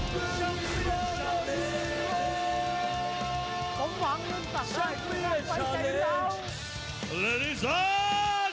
ทุกท่านทุกท่าน